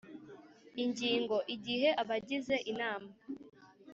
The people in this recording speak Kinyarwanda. Ingingo Igihe abagize Inama